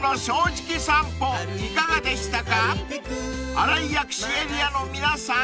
［新井薬師エリアの皆さん